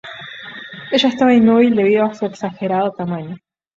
Ella está inmóvil debido a su exagerado tamaño.